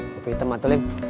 lim apa itu matulim